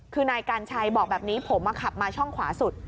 คือนายกัญชัยบอกแบบนี้ผมมาขับมาช่องขวาสุด